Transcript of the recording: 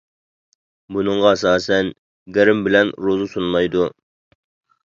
بۇنىڭغا ئاساسەن گىرىم بىلەن روزا سۇنمايدۇ.